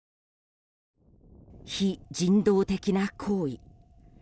非人道的な行為。